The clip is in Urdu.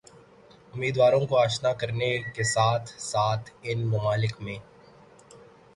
امیدواروں کو آشنا کرنے کے ساتھ ساتھ ان ممالک میں